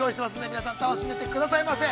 皆さん、楽しんでいってください。